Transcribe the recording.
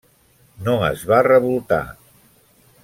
No es va revoltar.